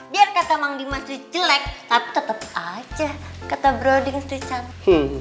biar kata mandiman sirek jelek tapi tetep aja kata broding sirek cantik